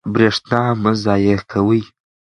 برښنا مه ضایع کوئ.